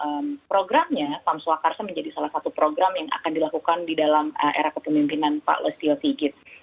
dan ternyata di dalam programnya pamswa karsa menjadi salah satu program yang akan dilakukan di dalam era kepemimpinan pak lesio sigit